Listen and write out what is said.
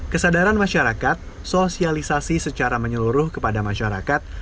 kesadaran masyarakat sosialisasi secara menyeluruh kepada masyarakat